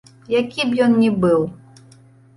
Які б ён ні быў.